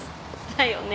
だよね。